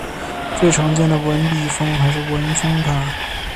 最常见的文笔峰还是文峰塔。